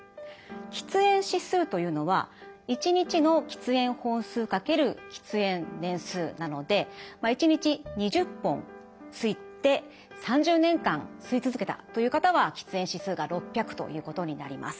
喫煙指数というのは１日の喫煙本数×喫煙年数なので１日２０本吸って３０年間吸い続けたという方は喫煙指数が６００ということになります。